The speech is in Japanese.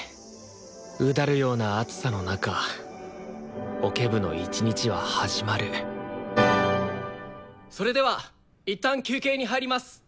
うだるような暑さの中オケ部の一日は始まるそれではいったん休憩に入ります。